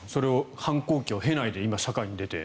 反抗期を経ないで今、社会に出て。